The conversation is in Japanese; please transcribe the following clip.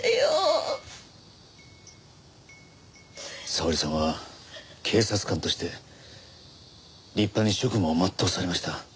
沙織さんは警察官として立派に職務を全うされました。